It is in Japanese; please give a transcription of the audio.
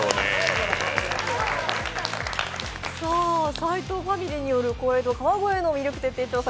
斎藤ファミリーによる小江戸・川越の徹底調査